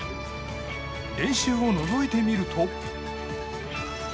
練習をのぞいてみると。